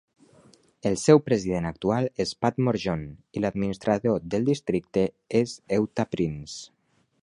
El seu president actual és Padmore John, i l'administrador del districte és Eutha Prince.